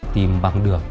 tìm bằng được